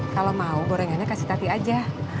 kalau mau gorengannya kasih tati aja